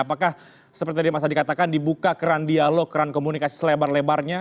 apakah seperti tadi mas adi katakan dibuka keran dialog keran komunikasi selebar lebarnya